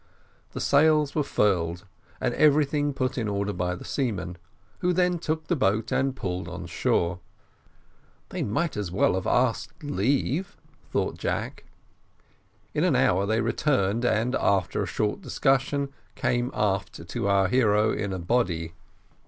The sails were furled, and everything put in order by the seamen, who then took the boat and pulled on shore. "They might as well have asked leave," thought Jack. In an hour they returned, and, after a short discussion, came aft to our hero in a body.